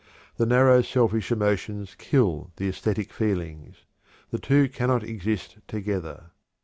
The narrow, selfish emotions kill the æsthetic feelings the two cannot exist together.